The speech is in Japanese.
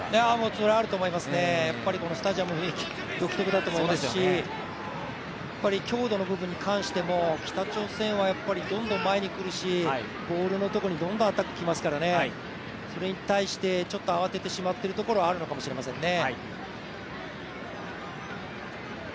それはあると思いますね、やっぱりこのスタジアムの雰囲気、独特だと思いますし、強度の部分に関しても北朝鮮はどんどん前に来るしボールのところにどんどんアタックきますからね、それに対して慌ててしまっているところはあるのかもしれませんね。